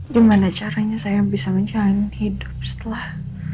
gimana caranya saya bisa menjalani hidup setelah